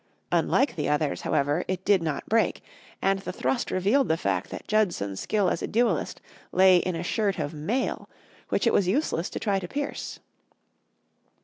Unlike the others, however, it did not break, and the thrust revealed the fact that Judson's skill as a duelist lay in a shirt of mail which it was useless to try to pierce.